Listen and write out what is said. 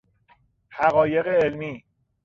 حقایق علمی